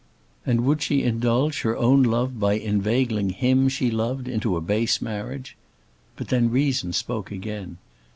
And would she indulge her own love by inveigling him she loved into a base marriage? But then reason spoke again.